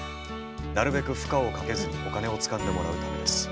なるべく負荷をかけずにお金をつかんでもらうためです。